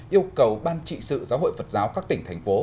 yêu cầu ban trị sự giáo hội phật giáo các tỉnh thành phố